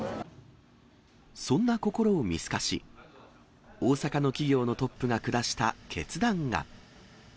そんな心を見透かし、大阪の企業のトップが下した決断が。